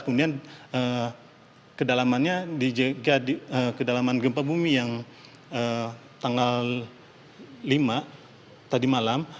kemudian kedalamannya dijaga kedalaman gempa bumi yang tanggal lima tadi malam